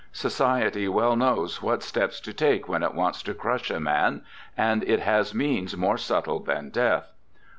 Society well knows what steps to take when it wants to crush a man, and it has means more subtle than death.